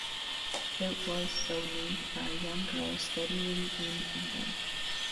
It was so named by a young girl studying in England.